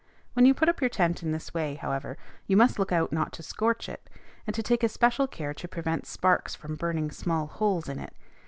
When you put up your tent in this way, however, you must look out not to scorch it, and to take especial care to prevent sparks from burning small holes in it.